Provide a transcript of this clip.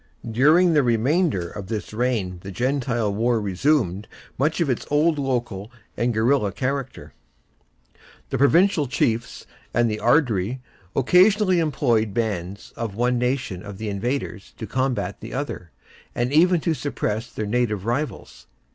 During the remainder of this reign the Gentile war resumed much of its old local and guerrilla character, the Provincial chiefs, and the Ard Righ, occasionally employing bands of one nation of the invaders to combat the other, and even to suppress their native rivals.